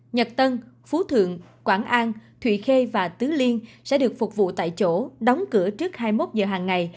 nhật tân phú thượng quảng an thụy khê và tứ liên sẽ được phục vụ tại chỗ đóng cửa trước hai mươi một giờ hàng ngày